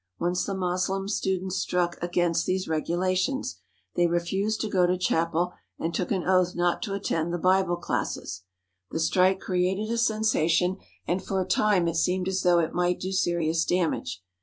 Once the Moslem students struck against these regulations. They refused to go to chapel and took an oath not to attend the Bible classes. The strike created a sensation, and for a time it seemed as though it might do serious damage.